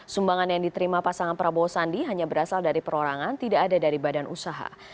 sumbangan yang diterima pasangan prabowo sandi hanya berasal dari perorangan tidak ada dari badan usaha